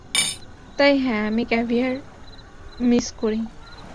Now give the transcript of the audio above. তাই, হ্যাঁ, আমি ক্যাভিয়ার মিস করি।